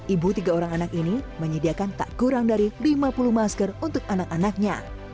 ibu tiga orang anak ini menyediakan tak kurang dari lima puluh masker untuk anak anaknya